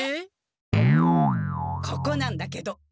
ここなんだけど。